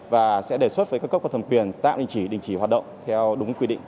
và sẽ đề xuất với các cấp có thẩm quyền tạm đình chỉ đình chỉ hoạt động theo đúng quy định